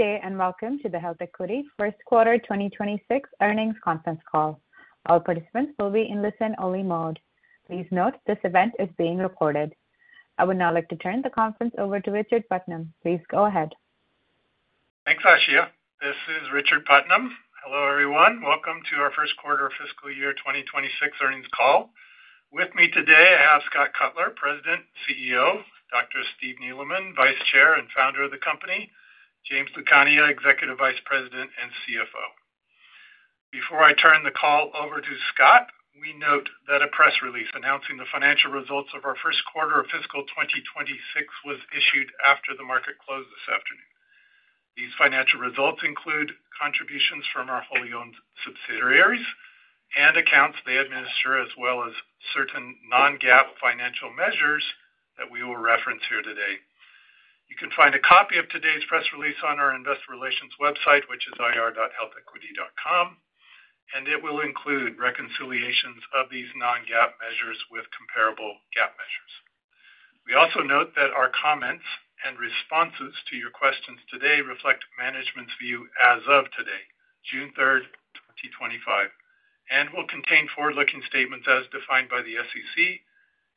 Good day and welcome to the HealthEquity first quarter 2026 earnings conference call. All participants will be in listen-only mode. Please note this event is being recorded. I would now like to turn the conference over to Richard Putnam. Please go ahead. Thanks, Ashia. This is Richard Putnam. Hello, everyone. Welcome to our first quarter of fiscal year 2026 earnings call. With me today, I have Scott Cutler, President, CEO; Dr. Steve Neeleman, Vice Chair and Founder of the company; James Lucania, Executive Vice President and CFO. Before I turn the call over to Scott, we note that a press release announcing the financial results of our First Quarter of Fiscal 2026 was issued after the market closed this afternoon. These financial results include contributions from our wholly owned subsidiaries and accounts they administer, as well as certain non-GAAP financial measures that we will reference here today. You can find a copy of today's press release on our Investor Relations website, which is ir.healthequity.com, and it will include reconciliations of these non-GAAP measures with comparable GAAP measures. We also note that our comments and responses to your questions today reflect management's view as of today, June 3, 2025, and will contain forward-looking statements as defined by the SEC,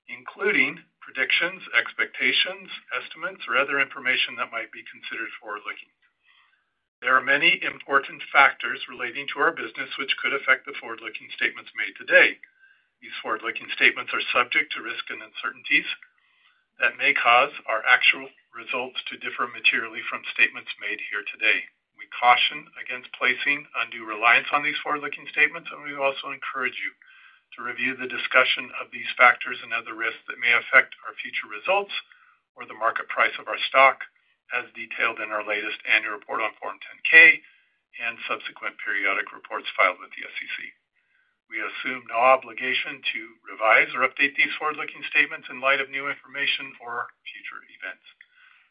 including predictions, expectations, estimates, or other information that might be considered forward-looking. There are many important factors relating to our business which could affect the forward-looking statements made today. These forward-looking statements are subject to risk and uncertainties that may cause our actual results to differ materially from statements made here today. We caution against placing undue reliance on these forward-looking statements, and we also encourage you to review the discussion of these factors and other risks that may affect our future results or the market price of our stock, as detailed in our latest annual report on Form 10-K and subsequent periodic reports filed with the SEC. We assume no obligation to revise or update these forward-looking statements in light of new information or future events.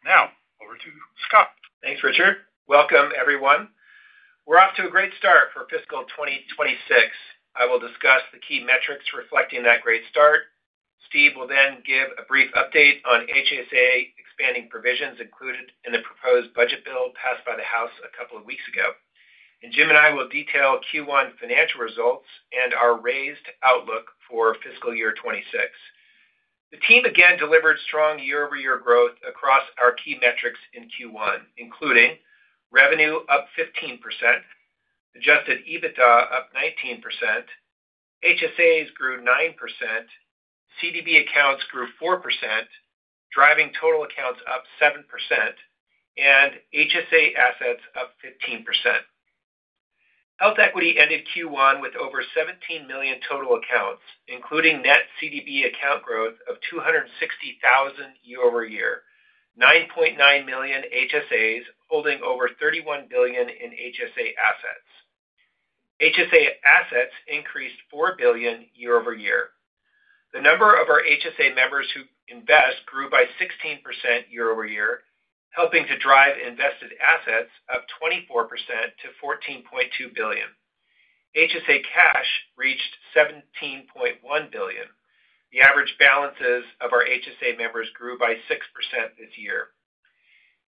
Now, over to Scott. Thanks, Richard. Welcome, everyone. We're off to a great start for Fiscal 2026. I will discuss the key metrics reflecting that great start. Steve will then give a brief update on HSA expanding provisions included in the proposed budget bill passed by the House a couple of weeks ago. Jim and I will detail Q1 financial results and our raised outlook for Fiscal Year 2026. The team again delivered strong year-over-year growth across our key metrics in Q1, including revenue up 15%, adjusted EBITDA up 19%, HSAs grew 9%, CDB accounts grew 4%, driving total accounts up 7%, and HSA assets up 15%. HealthEquity ended Q1 with over 17 million total accounts, including net CDB account growth of 260,000 year-over-year, 9.9 million HSAs holding over $31 billion in HSA assets. HSA assets increased $4 billion year-over-year. The number of our HSA members who invest grew by 16% year-over-year, helping to drive invested assets up 24% to $14.2 billion. HSA cash reached $17.1 billion. The average balances of our HSA members grew by 6% this year.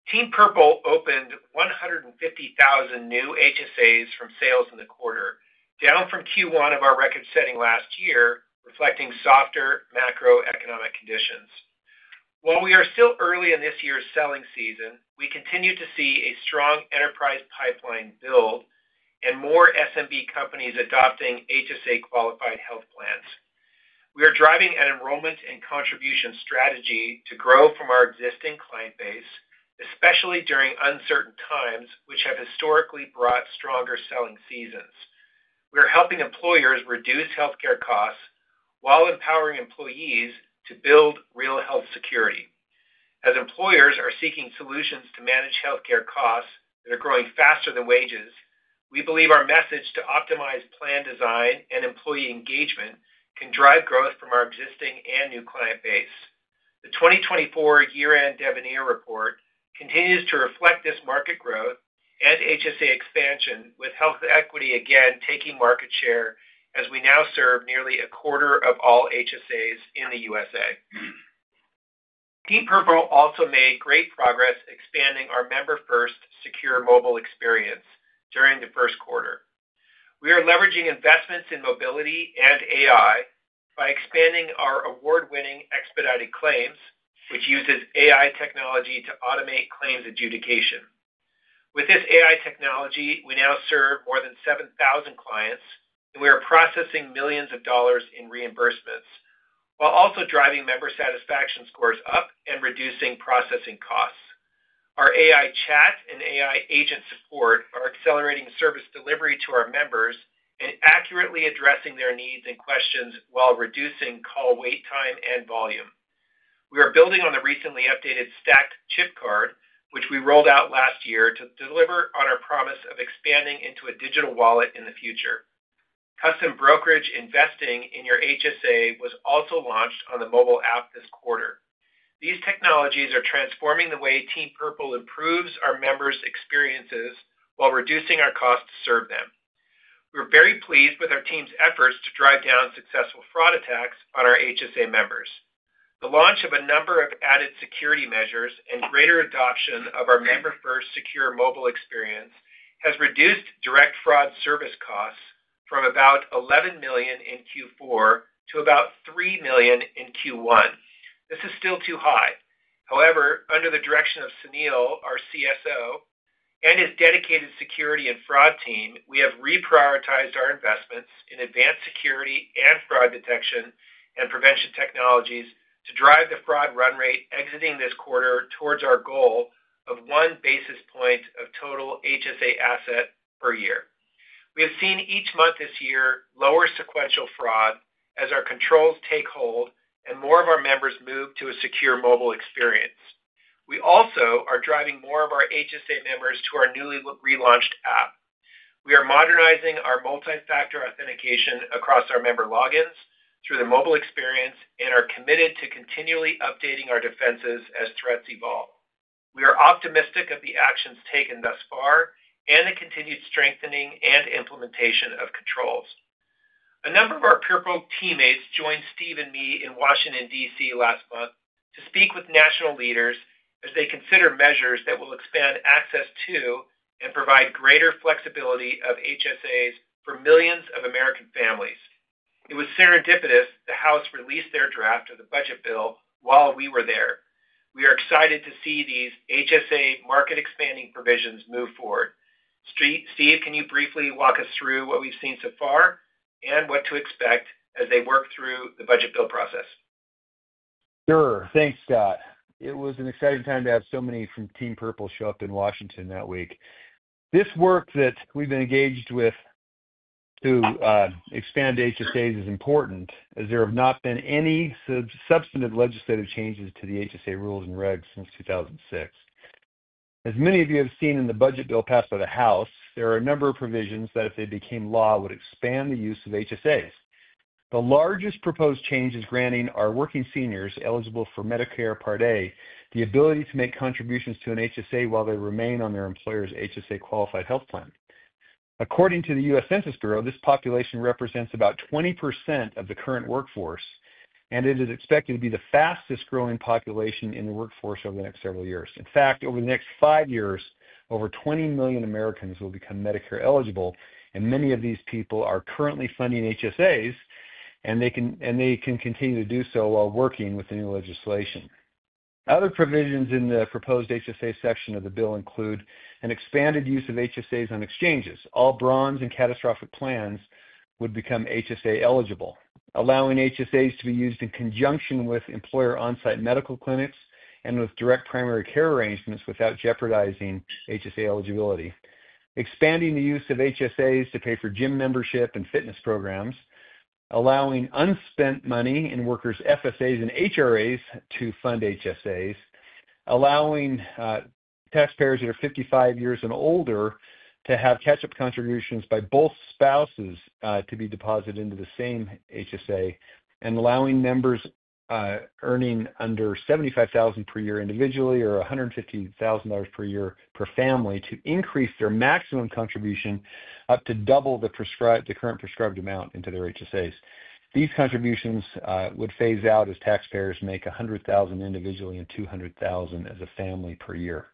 Team Purple opened 150,000 new HSAs from sales in the quarter, down from Q1 of our record-setting last year, reflecting softer macroeconomic conditions. While we are still early in this year's selling season, we continue to see a strong enterprise pipeline build and more SMB companies adopting HSA-qualified health plans. We are driving an enrollment and contribution strategy to grow from our existing client base, especially during uncertain times which have historically brought stronger selling seasons. We are helping employers reduce healthcare costs while empowering employees to build real health security. As employers are seeking solutions to manage healthcare costs that are growing faster than wages, we believe our message to optimize plan design and employee engagement can drive growth from our existing and new client base. The 2024 year-end Devenir report continues to reflect this market growth and HSA expansion, with HealthEquity again taking market share as we now serve nearly a quarter of all HSAs in the USA. Team Purple also made great progress expanding our member-first secure mobile experience during the first quarter. We are leveraging investments in mobility and AI by expanding our award-winning Expedited Claims, which uses AI technology to automate claims adjudication. With this AI technology, we now serve more than 7,000 clients, and we are processing millions of dollars in reimbursements while also driving member satisfaction scores up and reducing processing costs. Our AI chat and AI agent support are accelerating service delivery to our members and accurately addressing their needs and questions while reducing call wait time and volume. We are building on the recently updated stacked chip card, which we rolled out last year to deliver on our promise of expanding into a digital wallet in the future. Custom brokerage investing in your HSA was also launched on the mobile app this quarter. These technologies are transforming the way Team Purple improves our members' experiences while reducing our cost to serve them. We're very pleased with our team's efforts to drive down successful fraud attacks on our HSA members. The launch of a number of added security measures and greater adoption of our member-first secure mobile experience has reduced direct fraud service costs from about $11 million in Q4 to about $3 million in Q1. This is still too high. However, under the direction of Sunil, our CSO, and his dedicated security and fraud team, we have reprioritized our investments in advanced security and fraud detection and prevention technologies to drive the fraud run rate exiting this quarter towards our goal of one basis point of total HSA asset per year. We have seen each month this year lower sequential fraud as our controls take hold and more of our members move to a secure mobile experience. We also are driving more of our HSA members to our newly relaunched app. We are modernizing our multi-factor authentication across our member logins through the mobile experience and are committed to continually updating our defenses as threats evolve. We are optimistic of the actions taken thus far and the continued strengthening and implementation of controls. A number of our Purple teammates joined Steve and me in Washington, D.C., last month to speak with national leaders as they consider measures that will expand access to and provide greater flexibility of HSAs for millions of American families. It was serendipitous the House released their draft of the budget bill while we were there. We are excited to see these HSA market-expanding provisions move forward. Steve, can you briefly walk us through what we've seen so far and what to expect as they work through the budget bill process. Sure. Thanks, Scott. It was an exciting time to have so many from Team Purple show up in Washington that week. This work that we've been engaged with to expand HSAs is important as there have not been any substantive legislative changes to the HSA rules and regs since 2006. As many of you have seen in the budget bill passed by the House, there are a number of provisions that, if they became law, would expand the use of HSAs. The largest proposed change is granting our working seniors eligible for Medicare Part A the ability to make contributions to an HSA while they remain on their employer's HSA-qualified health plan. According to the U.S. Census Bureau, this population represents about 20% of the current workforce, and it is expected to be the fastest-growing population in the workforce over the next several years. In fact, over the next five years, over 20 million Americans will become Medicare eligible, and many of these people are currently funding HSAs, and they can continue to do so while working with the new legislation. Other provisions in the proposed HSA section of the bill include an expanded use of HSAs on exchanges. All bronze and catastrophic plans would become HSA eligible, allowing HSAs to be used in conjunction with employer on-site medical clinics and with direct primary care arrangements without jeopardizing HSA eligibility, expanding the use of HSAs to pay for gym membership and fitness programs, allowing unspent money in workers' FSAs and HRAs to fund HSAs, allowing taxpayers that are 55 years and older to have catch-up contributions by both spouses to be deposited into the same HSA, and allowing members earning under $75,000 per year individually or $150,000 per year per family to increase their maximum contribution up to double the current prescribed amount into their HSAs. These contributions would phase out as taxpayers make $100,000 individually and $200,000 as a family per year.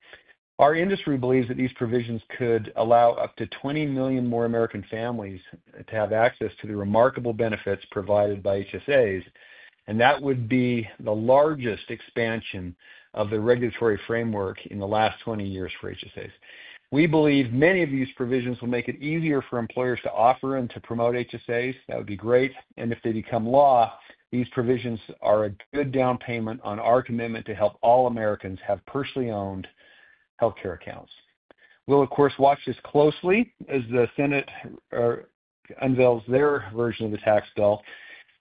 Our industry believes that these provisions could allow up to 20 million more American families to have access to the remarkable benefits provided by HSAs, and that would be the largest expansion of the regulatory framework in the last 20 years for HSAs. We believe many of these provisions will make it easier for employers to offer and to promote HSAs. That would be great. If they become law, these provisions are a good down payment on our commitment to help all Americans have personally owned healthcare accounts. We'll, of course, watch this closely as the Senate unveils their version of the tax bill.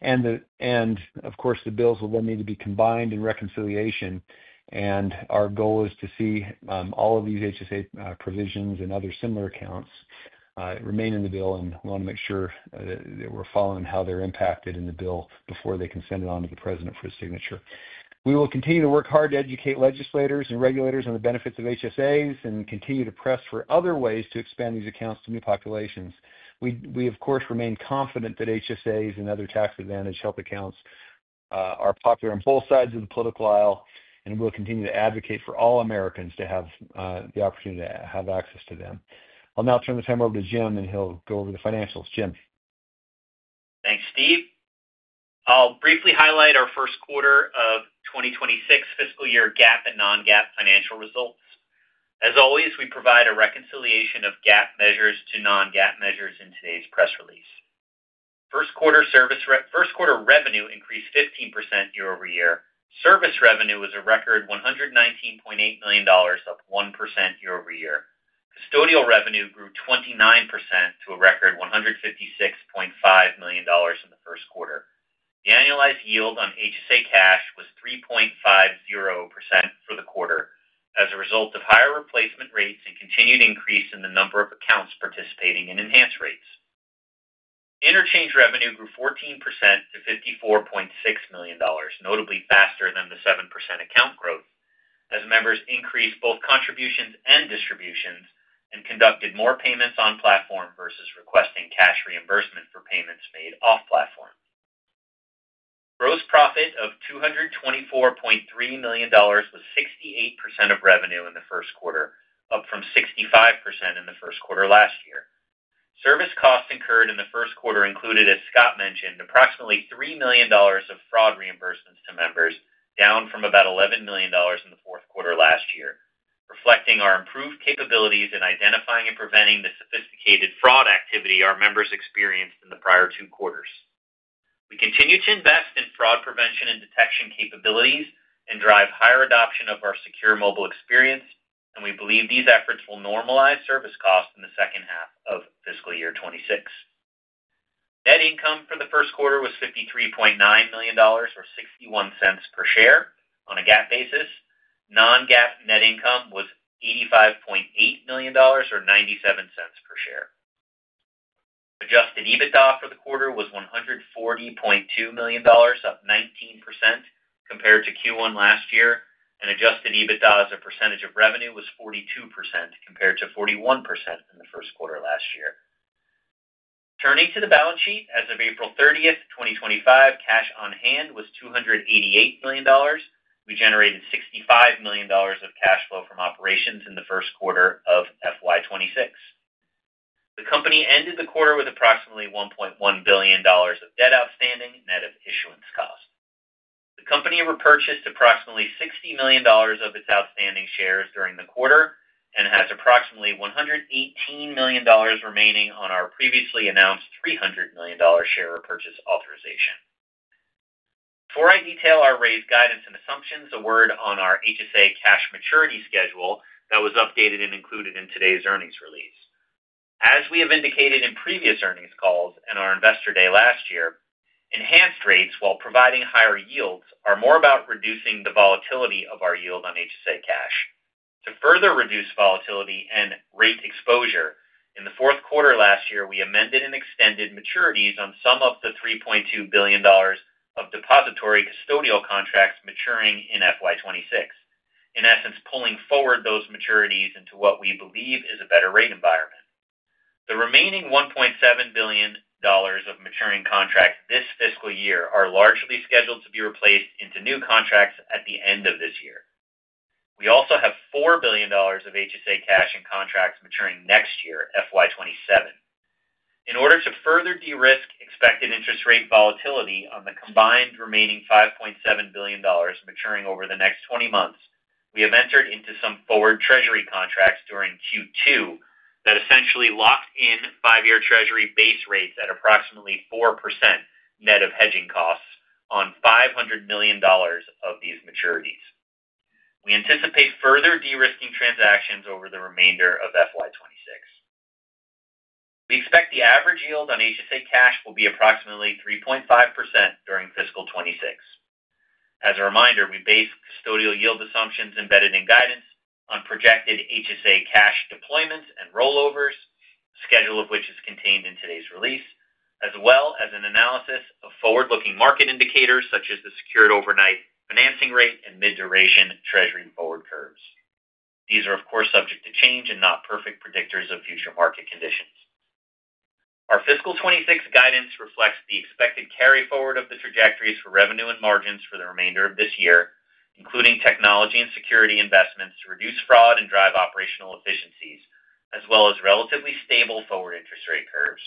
Of course, the bills will then need to be combined in reconciliation, and our goal is to see all of these HSA provisions and other similar accounts remain in the bill, and we want to make sure that we're following how they're impacted in the bill before they can send it on to the President for his signature. We will continue to work hard to educate legislators and regulators on the benefits of HSAs and continue to press for other ways to expand these accounts to new populations. We, of course, remain confident that HSAs and other tax-advantaged health accounts are popular on both sides of the political aisle, and we'll continue to advocate for all Americans to have the opportunity to have access to them. I'll now turn the time over to Jim, and he'll go over the financials. Jim. Thanks, Steve. I'll briefly highlight our first quarter of 2026 fiscal year GAAP and non-GAAP financial results. As always, we provide a reconciliation of GAAP measures to non-GAAP measures in today's press release. First quarter revenue increased 15% year-over-year. Service revenue was a record $119.8 million, up 1% year-over-year. Custodial revenue grew 29% to a record $156.5 million in the first quarter. The annualized yield on HSA cash was 3.50% for the quarter as a result of higher replacement rates and continued increase in the number of accounts participating in enhanced rates. Interchange revenue grew 14% to $54.6 million, notably faster than the 7% account growth, as members increased both contributions and distributions and conducted more payments on platform versus requesting cash reimbursement for payments made off-platform. Gross profit of $224.3 million was 68% of revenue in the first quarter, up from 65% in the first quarter last year. Service costs incurred in the first quarter included, as Scott mentioned, approximately $3 million of fraud reimbursements to members, down from about $11 million in the fourth quarter last year, reflecting our improved capabilities in identifying and preventing the sophisticated fraud activity our members experienced in the prior two quarters. We continue to invest in fraud prevention and detection capabilities and drive higher adoption of our secure mobile experience, and we believe these efforts will normalize service costs in the second half of fiscal year 2026. Net income for the first quarter was $53.9 million or $0.61 per share on a GAAP basis. Non-GAAP net income was $85.8 million or $0.97 per share. Adjusted EBITDA for the quarter was $140.2 million, up 19% compared to Q1 last year, and adjusted EBITDA as a percentage of revenue was 42% compared to 41% in the first quarter last year. Turning to the balance sheet, as of April 30, 2025, cash on hand was $288 million. We generated $65 million of cash flow from operations in the first quarter of FY26. The company ended the quarter with approximately $1.1 billion of debt outstanding net of issuance cost. The company repurchased approximately $60 million of its outstanding shares during the quarter and has approximately $118 million remaining on our previously announced $300 million share repurchase authorization. Before I detail our raised guidance and assumptions, a word on our HSA cash maturity schedule that was updated and included in today's earnings release. As we have indicated in previous earnings calls and our investor day last year, enhanced rates while providing higher yields are more about reducing the volatility of our yield on HSA cash. To further reduce volatility and rate exposure, in the fourth quarter last year, we amended and extended maturities on some of the $3.2 billion of depository custodial contracts maturing in FY26, in essence pulling forward those maturities into what we believe is a better rate environment. The remaining $1.7 billion of maturing contracts this fiscal year are largely scheduled to be replaced into new contracts at the end of this year. We also have $4 billion of HSA cash and contracts maturing next year, FY27. In order to further de-risk expected interest rate volatility on the combined remaining $5.7 billion maturing over the next 20 months, we have entered into some forward treasury contracts during Q2 that essentially locked in five-year treasury base rates at approximately 4% net of hedging costs on $500 million of these maturities. We anticipate further de-risking transactions over the remainder of FY26. We expect the average yield on HSA cash will be approximately 3.5% during fiscal 2026. As a reminder, we base custodial yield assumptions embedded in guidance on projected HSA cash deployments and rollovers, the schedule of which is contained in today's release, as well as an analysis of forward-looking market indicators such as the secured overnight financing rate and mid-duration treasury forward curves. These are, of course, subject to change and not perfect predictors of future market conditions. Our fiscal 2026 guidance reflects the expected carry forward of the trajectories for revenue and margins for the remainder of this year, including technology and security investments to reduce fraud and drive operational efficiencies, as well as relatively stable forward interest rate curves.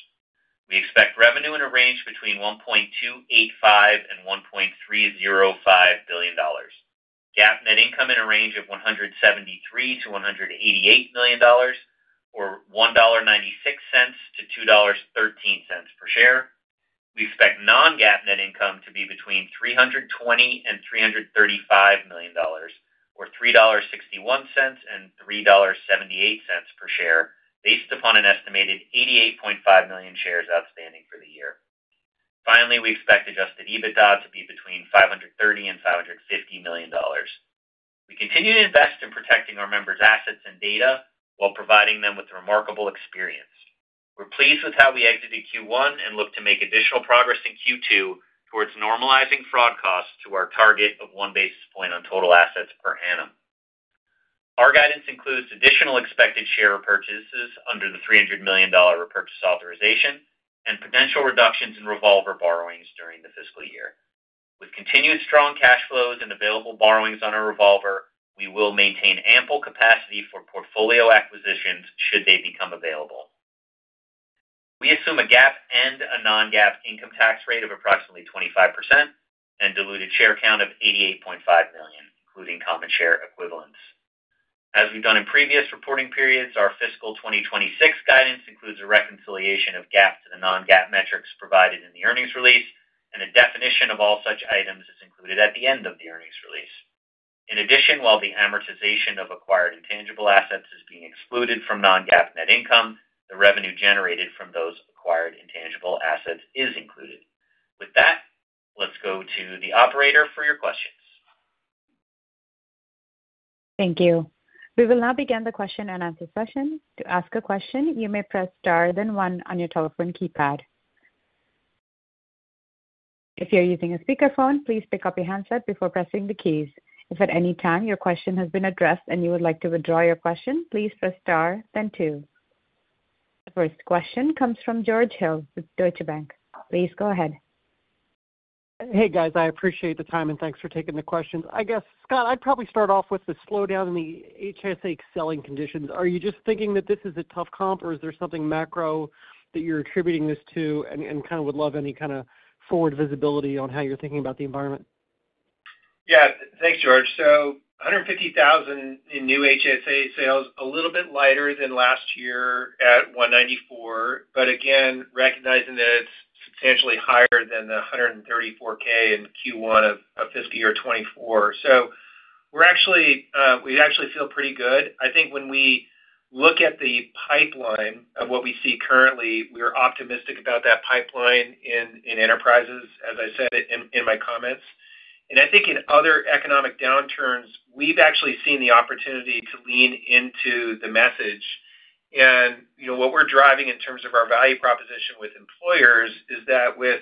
We expect revenue in a range between $1.285 billion and $1.305 billion. GAAP net income in a range of $173 million-$188 million or $1.96 to $2.13 per share. We expect non-GAAP net income to be between $320 million and $335 million or $3.61 and $3.78 per share, based upon an estimated 88.5 million shares outstanding for the year. Finally, we expect adjusted EBITDA to be between $530 million and $550 million. We continue to invest in protecting our members' assets and data while providing them with a remarkable experience. We're pleased with how we exited Q1 and look to make additional progress in Q2 towards normalizing fraud costs to our target of one basis point on total assets per annum. Our guidance includes additional expected share repurchases under the $300 million repurchase authorization and potential reductions in revolver borrowings during the fiscal year. With continued strong cash flows and available borrowings on a revolver, we will maintain ample capacity for portfolio acquisitions should they become available. We assume a GAAP and a non-GAAP income tax rate of approximately 25% and diluted share count of 88.5 million, including common share equivalents. As we've done in previous reporting periods, our fiscal 2026 guidance includes a reconciliation of GAAP to the non-GAAP metrics provided in the earnings release, and a definition of all such items is included at the end of the earnings release. In addition, while the amortization of acquired intangible assets is being excluded from non-GAAP net income, the revenue generated from those acquired intangible assets is included. With that, let's go to the operator for your questions. Thank you. We will now begin the question and answer session. To ask a question, you may press star then one on your telephone keypad. If you're using a speakerphone, please pick up your handset before pressing the keys. If at any time your question has been addressed and you would like to withdraw your question, please press star then two. The first question comes from George Hill with Deutsche Bank. Please go ahead. Hey, guys. I appreciate the time, and thanks for taking the questions. I guess, Scott, I'd probably start off with the slowdown in the HSA selling conditions. Are you just thinking that this is a tough comp, or is there something macro that you're attributing this to and kind of would love any kind of forward visibility on how you're thinking about the environment? Yeah. Thanks, George. So $150,000 in new HSA sales, a little bit lighter than last year at $194,000, but again, recognizing that it's substantially higher than the $134,000 in Q1 of fiscal year 2024. We actually feel pretty good. I think when we look at the pipeline of what we see currently, we are optimistic about that pipeline in enterprises, as I said in my comments. I think in other economic downturns, we've actually seen the opportunity to lean into the message. What we're driving in terms of our value proposition with employers is that with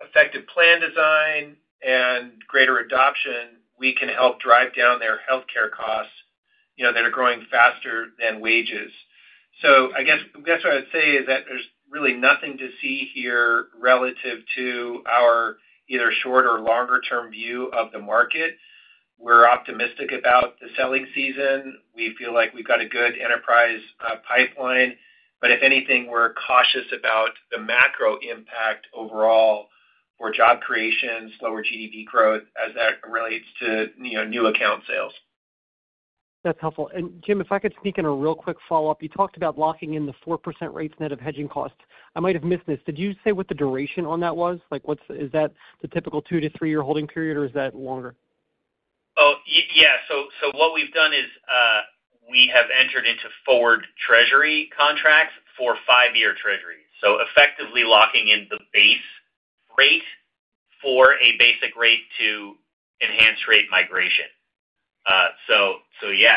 effective plan design and greater adoption, we can help drive down their healthcare costs that are growing faster than wages. I guess what I would say is that there's really nothing to see here relative to our either short or longer-term view of the market. We're optimistic about the selling season. We feel like we've got a good enterprise pipeline. If anything, we're cautious about the macro impact overall for job creation, slower GDP growth as that relates to new account sales. That's helpful. Jim, if I could sneak in a real quick follow-up, you talked about locking in the 4% rates net of hedging costs. I might have missed this. Did you say what the duration on that was? Is that the typical two to three-year holding period, or is that longer? Oh, yeah. What we've done is we have entered into forward treasury contracts for five-year treasuries. Effectively locking in the base rate for a basic rate to enhanced rate migration. Yeah,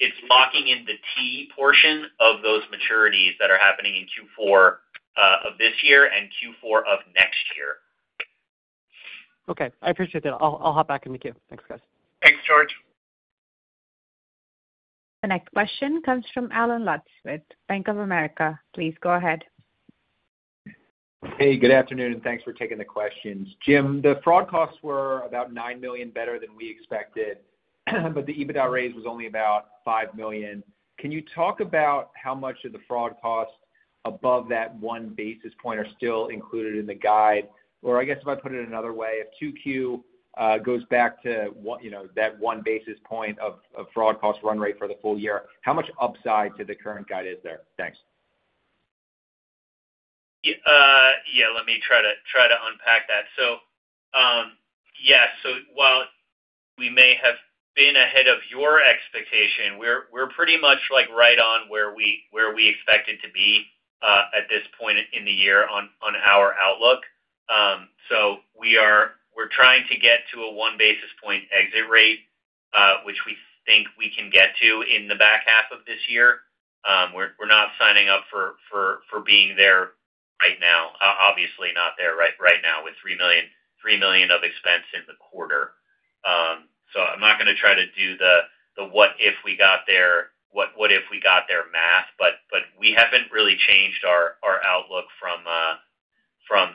it's locking in the T portion of those maturities that are happening in Q4 of this year and Q4 of next year. Okay. I appreciate that. I'll hop back in the queue. Thanks, guys. Thanks, George. The next question comes from Allen Lutz, Bank of America. Please go ahead. Hey, good afternoon, and thanks for taking the questions. Jim, the fraud costs were about $9 million better than we expected, but the EBITDA raised was only about $5 million. Can you talk about how much of the fraud costs above that one basis point are still included in the guide? Or I guess if I put it another way, if 2Q goes back to that one basis point of fraud cost run rate for the full year, how much upside to the current guide is there? Thanks. Yeah. Let me try to unpack that. Yeah, while we may have been ahead of your expectation, we're pretty much right on where we expected to be at this point in the year on our outlook. We're trying to get to a one basis point exit rate, which we think we can get to in the back half of this year. We're not signing up for being there right now, obviously not there right now with $3 million of expense in the quarter. I'm not going to try to do the what if we got there, what if we got there math, but we haven't really changed our outlook on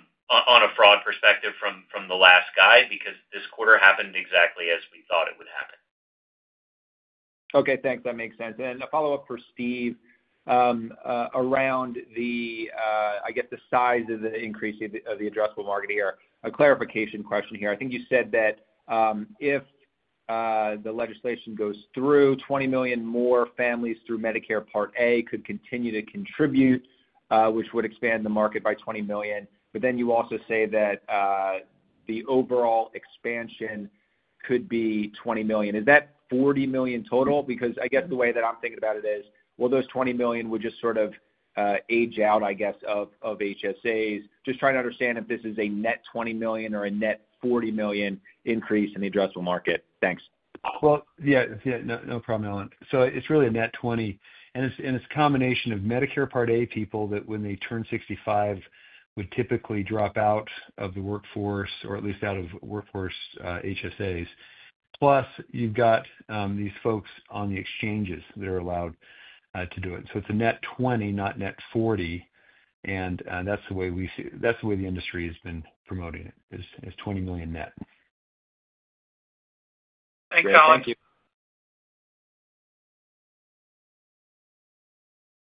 a fraud perspective from the last guide because this quarter happened exactly as we thought it would happen. Okay. Thanks. That makes sense. A follow-up for Steve around, I guess, the size of the increase of the addressable market here. A clarification question here. I think you said that if the legislation goes through, 20 million more families through Medicare Part A could continue to contribute, which would expand the market by 20 million. You also say that the overall expansion could be 20 million. Is that 40 million total? I guess the way that I'm thinking about it is, will those 20 million just sort of age out, I guess, of HSAs? Just trying to understand if this is a net 20 million or a net 40 million increase in the addressable market. Thanks. Yeah. No problem, Allen. So it's really a net 20. And it's a combination of Medicare Part A people that when they turn 65 would typically drop out of the workforce or at least out of workforce HSAs. Plus, you've got these folks on the exchanges that are allowed to do it. So it's a net 20, not net 40. And that's the way we see that's the way the industry has been promoting it, is 20 million net. Thanks, Allen. Thank you.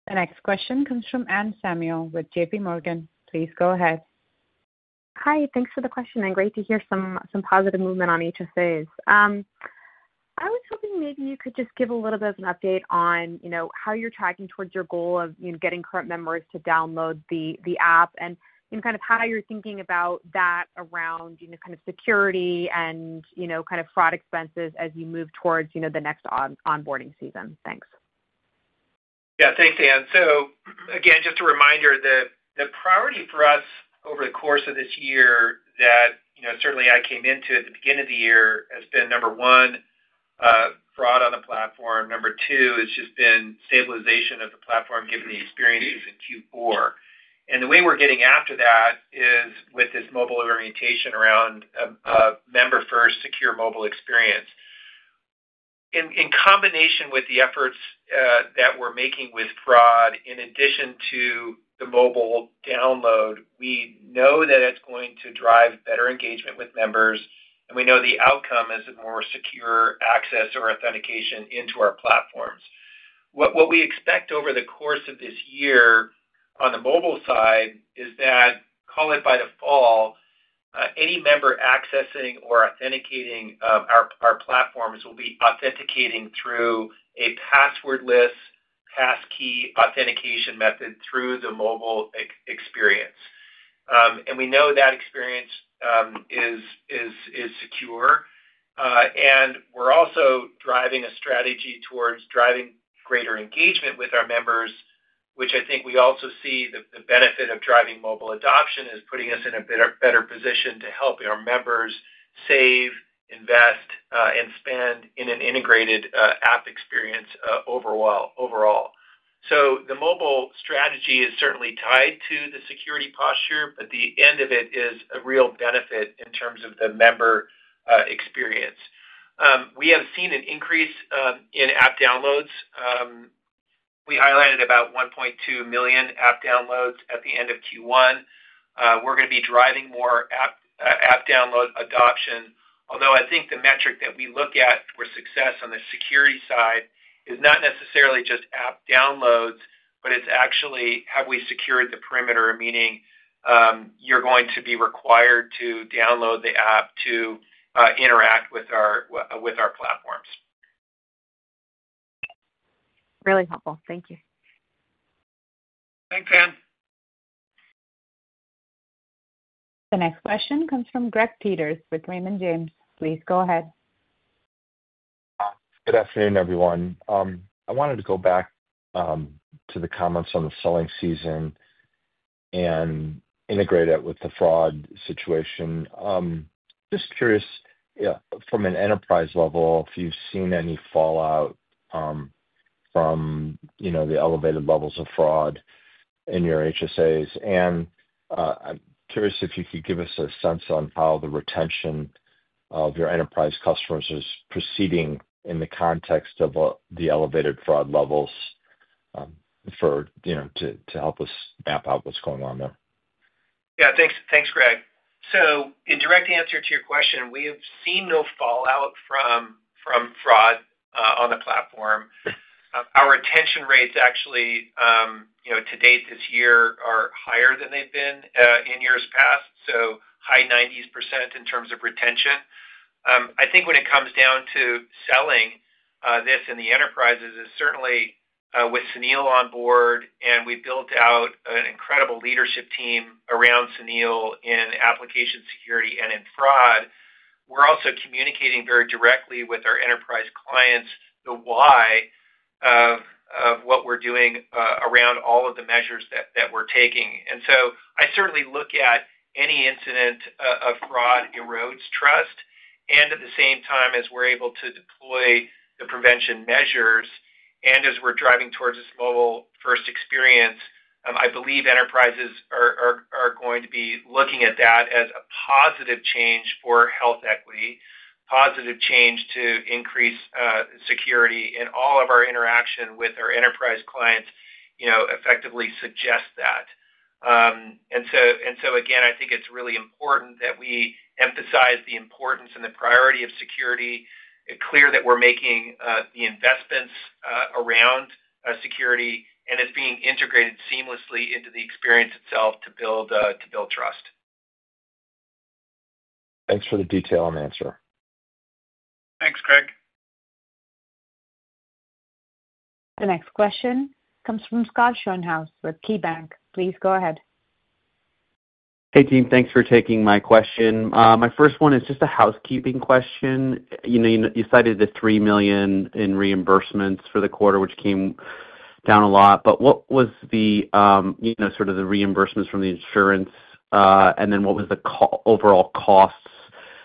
The next question comes from Anne Samuel with JPMorgan. Please go ahead. Hi. Thanks for the question. Great to hear some positive movement on HSAs. I was hoping maybe you could just give a little bit of an update on how you're tracking towards your goal of getting current members to download the app and kind of how you're thinking about that around kind of security and kind of fraud expenses as you move towards the next onboarding season. Thanks. Yeah. Thanks, Anne. So again, just a reminder, the priority for us over the course of this year that certainly I came into at the beginning of the year has been, number one, fraud on the platform. Number two, it's just been stabilization of the platform given the experiences in Q4. The way we're getting after that is with this mobile orientation around a member-first secure mobile experience. In combination with the efforts that we're making with fraud, in addition to the mobile download, we know that it's going to drive better engagement with members. We know the outcome is a more secure access or authentication into our platforms. What we expect over the course of this year on the mobile side is that, call it by default, any member accessing or authenticating our platforms will be authenticating through a passwordless passkey authentication method through the mobile experience. We know that experience is secure. We are also driving a strategy towards driving greater engagement with our members, which I think we also see the benefit of. Driving mobile adoption is putting us in a better position to help our members save, invest, and spend in an integrated app experience overall. The mobile strategy is certainly tied to the security posture, but the end of it is a real benefit in terms of the member experience. We have seen an increase in app downloads. We highlighted about 1.2 million app downloads at the end of Q1. We are going to be driving more app download adoption. Although I think the metric that we look at for success on the security side is not necessarily just app downloads, but it's actually have we secured the perimeter, meaning you're going to be required to download the app to interact with our platforms. Thanks. Really helpful. Thank you. Thanks, Anne. The next question comes from Gregory Peters with Raymond James. Please go ahead. Good afternoon, everyone. I wanted to go back to the comments on the selling season and integrate it with the fraud situation. Just curious, from an enterprise level, if you've seen any fallout from the elevated levels of fraud in your HSAs. I'm curious if you could give us a sense on how the retention of your enterprise customers is proceeding in the context of the elevated fraud levels to help us map out what's going on there. Yeah. Thanks, Greg. In direct answer to your question, we have seen no fallout from fraud on the platform. Our retention rates actually, to date this year, are higher than they've been in years past, so high 90% in terms of retention. I think when it comes down to selling this in the enterprises, it's certainly with Sunil on board, and we've built out an incredible leadership team around Sunil in application security and in fraud. We're also communicating very directly with our enterprise clients the why of what we're doing around all of the measures that we're taking. I certainly look at any incident of fraud erodes trust. At the same time as we're able to deploy the prevention measures and as we're driving towards this mobile-first experience, I believe enterprises are going to be looking at that as a positive change for HealthEquity, positive change to increase security. All of our interaction with our enterprise clients effectively suggests that. Again, I think it's really important that we emphasize the importance and the priority of security, clear that we're making the investments around security, and it's being integrated seamlessly into the experience itself to build trust. Thanks for the detailed answer. Thanks, Greg. The next question comes from Scott Schoenhaus with KeyBanc. Please go ahead. Hey, team. Thanks for taking my question. My first one is just a housekeeping question. You cited the $3 million in reimbursements for the quarter, which came down a lot. What was the sort of the reimbursements from the insurance? What was the overall costs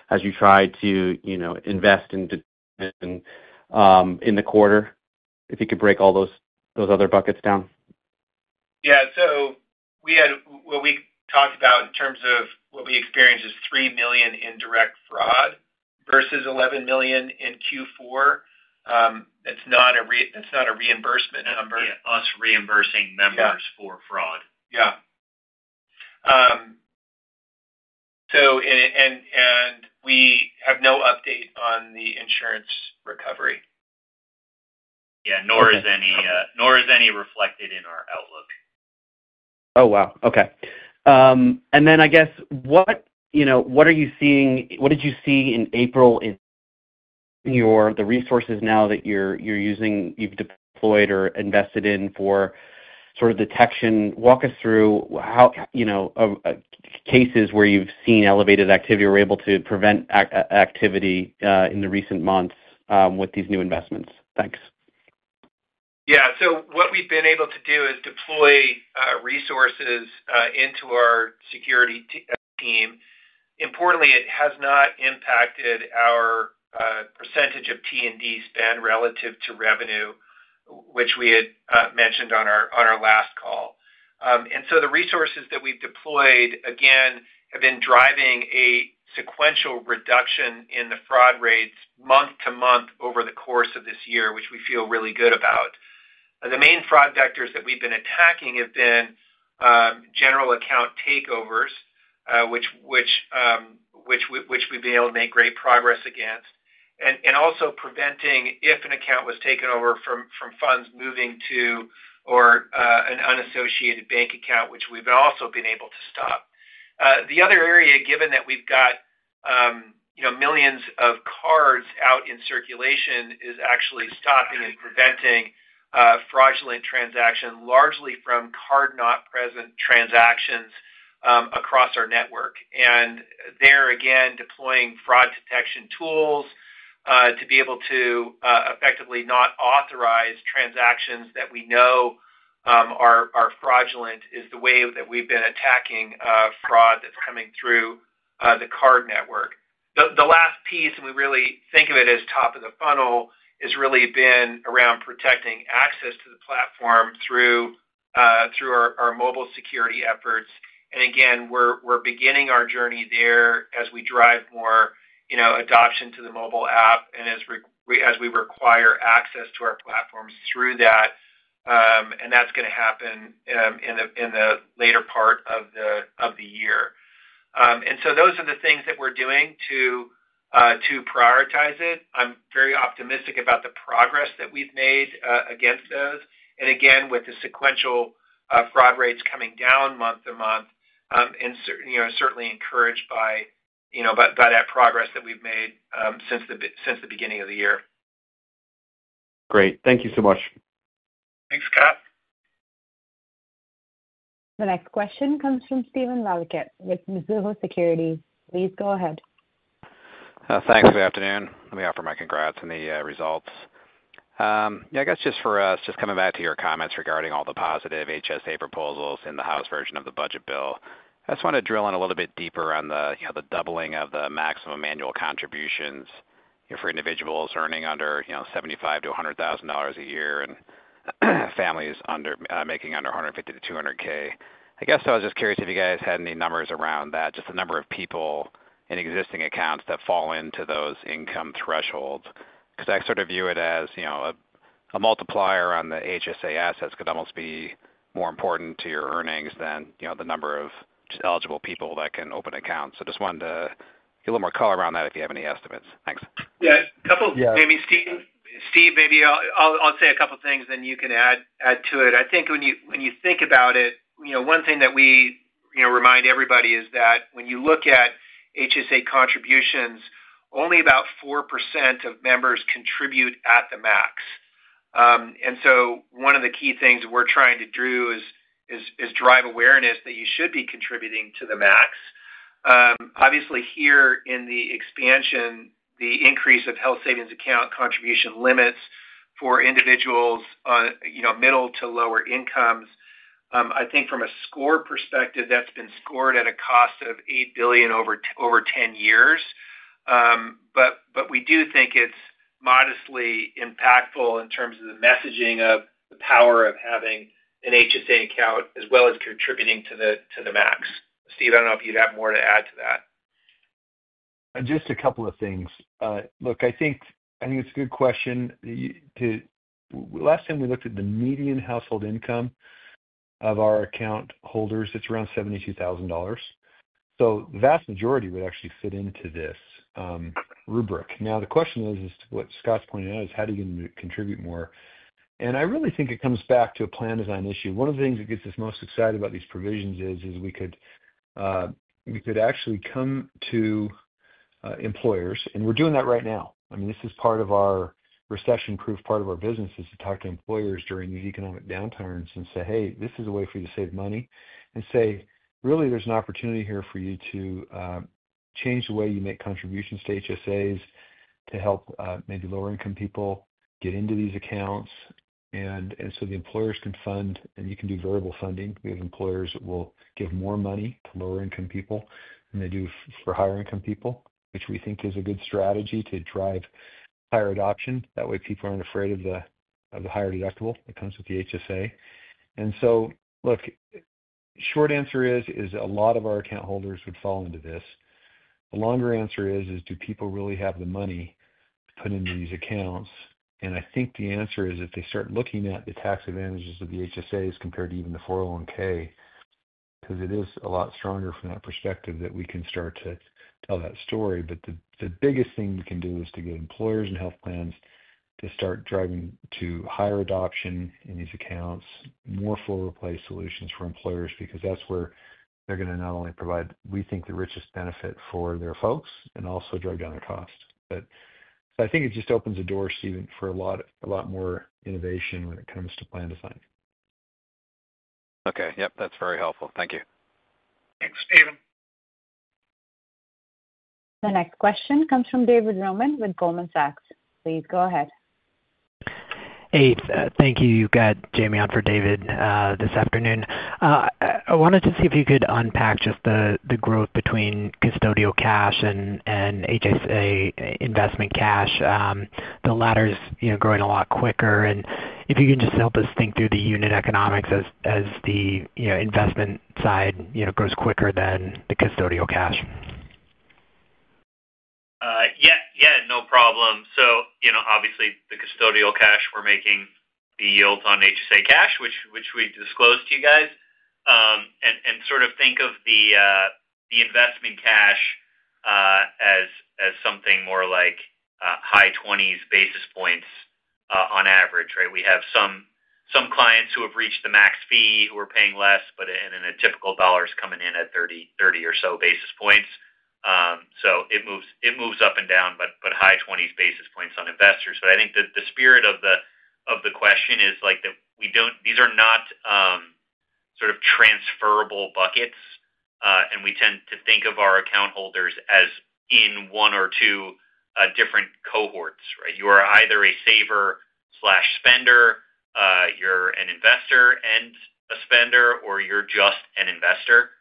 as you tried to invest into the quarter? If you could break all those other buckets down. Yeah. So what we talked about in terms of what we experienced is $3 million in direct fraud versus $11 million in Q4. That's not a reimbursement number. Yeah. Us reimbursing members for fraud. Yeah. We have no update on the insurance recovery. Yeah. Nor is any reflected in our outlook. Oh, wow. Okay. I guess, what are you seeing? What did you see in April in the resources now that you're using, you've deployed or invested in for sort of detection? Walk us through cases where you've seen elevated activity or were able to prevent activity in the recent months with these new investments. Thanks. Yeah. What we've been able to do is deploy resources into our security team. Importantly, it has not impacted our percentage of T&D spend relative to revenue, which we had mentioned on our last call. The resources that we've deployed, again, have been driving a sequential reduction in the fraud rates month to month over the course of this year, which we feel really good about. The main fraud vectors that we've been attacking have been general account takeovers, which we've been able to make great progress against, and also preventing if an account was taken over from funds moving to or an unassociated bank account, which we've also been able to stop. The other area, given that we've got millions of cards out in circulation, is actually stopping and preventing fraudulent transactions, largely from card-not-present transactions across our network. There, again, deploying fraud detection tools to be able to effectively not authorize transactions that we know are fraudulent is the way that we've been attacking fraud that's coming through the card network. The last piece, and we really think of it as top of the funnel, has really been around protecting access to the platform through our mobile security efforts. Again, we're beginning our journey there as we drive more adoption to the mobile app and as we require access to our platforms through that. That's going to happen in the later part of the year. Those are the things that we're doing to prioritize it. I'm very optimistic about the progress that we've made against those. Again, with the sequential fraud rates coming down month to month, I'm certainly encouraged by that progress that we've made since the beginning of the year. Great. Thank you so much. Thanks, Scott. The next question comes from Steven Valiquette with Mizuho Securities. Please go ahead. Thanks. Good afternoon. Let me offer my congrats on the results. Yeah. I guess just coming back to your comments regarding all the positive HSA proposals in the House version of the budget bill, I just want to drill in a little bit deeper on the doubling of the maximum annual contributions for individuals earning under $75,000 to $100,000 a year and families making under $150,000 to $200,000. I guess I was just curious if you guys had any numbers around that, just the number of people in existing accounts that fall into those income thresholds. Because I sort of view it as a multiplier on the HSA assets could almost be more important to your earnings than the number of eligible people that can open accounts. Just wanted to get a little more color around that if you have any estimates. Thanks. Yeah. A couple of—Amy, Steve? Steve, maybe I'll say a couple of things, then you can add to it. I think when you think about it, one thing that we remind everybody is that when you look at HSA contributions, only about 4% of members contribute at the max. And so one of the key things we're trying to do is drive awareness that you should be contributing to the max. Obviously, here in the expansion, the increase of health savings account contribution limits for individuals on middle to lower incomes, I think from a score perspective, that's been scored at a cost of $8 billion over 10 years. But we do think it's modestly impactful in terms of the messaging of the power of having an HSA account as well as contributing to the max. Steve, I don't know if you'd have more to add to that. Just a couple of things. Look, I think it's a good question. Last time we looked at the median household income of our account holders, it's around $72,000. The vast majority would actually fit into this rubric. Now, the question is, what Scott's pointing out is, how do you contribute more? I really think it comes back to a plan design issue. One of the things that gets us most excited about these provisions is we could actually come to employers. We're doing that right now. I mean, this is part of our recession-proof part of our business is to talk to employers during these economic downturns and say, "Hey, this is a way for you to save money." And say, "Really, there's an opportunity here for you to change the way you make contributions to HSAs to help maybe lower-income people get into these accounts." And so the employers can fund, and you can do variable funding. We have employers that will give more money to lower-income people than they do for higher-income people, which we think is a good strategy to drive higher adoption. That way, people aren't afraid of the higher deductible that comes with the HSA. And so, look, short answer is a lot of our account holders would fall into this. The longer answer is, do people really have the money to put into these accounts? I think the answer is if they start looking at the tax advantages of the HSAs compared to even the 401(k) because it is a lot stronger from that perspective that we can start to tell that story. The biggest thing we can do is to get employers and health plans to start driving to higher adoption in these accounts, more full-replace solutions for employers because that's where they're going to not only provide, we think, the richest benefit for their folks and also drive down their cost. I think it just opens a door, Steven, for a lot more innovation when it comes to plan design. Okay. Yep. That's very helpful. Thank you. Thanks, Steven. The next question comes from David Roman with Goldman Sachs. Please go ahead. Hey. Thank you. You've got Jamie on for David this afternoon. I wanted to see if you could unpack just the growth between custodial cash and HSA investment cash. The latter's growing a lot quicker. If you can just help us think through the unit economics as the investment side grows quicker than the custodial cash. Yeah. Yeah. No problem. Obviously, the custodial cash, we're making the yields on HSA cash, which we disclosed to you guys. Sort of think of the investment cash as something more like high 20s basis points on average, right? We have some clients who have reached the max fee, who are paying less, and in a typical dollar is coming in at 30 or so basis points. It moves up and down, but high 20s basis points on investors. I think the spirit of the question is that these are not sort of transferable buckets. We tend to think of our account holders as in one or two different cohorts, right? You are either a saver/spender, you're an investor and a spender, or you're just an investor.